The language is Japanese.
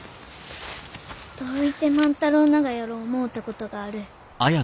どういて万太郎ながやろう思うたことがある。